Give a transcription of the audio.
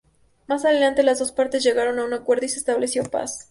Más adelante, las dos partes llegaron a un acuerdo y se estableció la paz.